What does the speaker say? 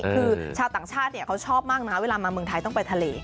คือชาวต่างชาติเขาชอบมากนะเวลามาเมืองไทยต้องไปทะเล